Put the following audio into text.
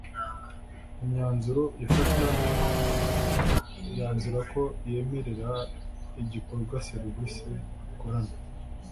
mu myanzuro ifata yanzura ko yemerera igikorwa serivisi bakorana